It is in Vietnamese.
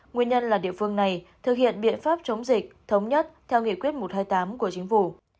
nguyên nhân là địa phương này thực hiện biện pháp chống dịch thống nhất theo nghị quyết một trăm hai mươi tám của chính phủ